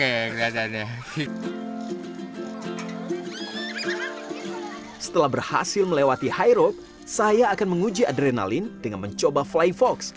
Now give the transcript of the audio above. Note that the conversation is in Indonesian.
ya nggak ada setelah berhasil melewati highroll saya akan menguji adrenalin dengan mencoba flyfox